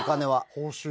報酬。